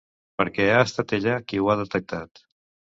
Perquè ha estat ella qui ho ha detectat.